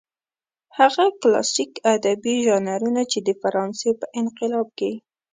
هغه کلاسلیک ادبي ژانرونه چې د فرانسې په انقلاب کې.